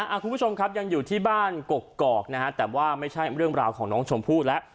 คุณผู้ชมครับยังอยู่ที่บ้านกกอกนะฮะแต่ว่าไม่ใช่เรื่องราวของน้องชมพู่แล้ว